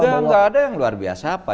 enggak enggak ada yang luar biasa apa